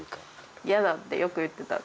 「嫌だ」ってよく言ってた。